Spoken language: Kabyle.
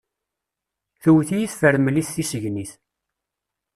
Tewwet-iyi tefremlit tissegnit.